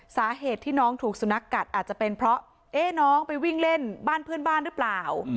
สาเหตุที่น้องถูกสุนัขกัดอาจจะเป็นเพราะน้องไปวิ่งเล่นบ้านเพื่อนบ้านหรือเปล่า